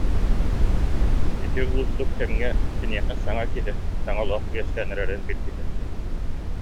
Ити уустук кэмҥэ киниэхэ саҥа киһи, саҥа олох үөскээн эрэрин билбитэ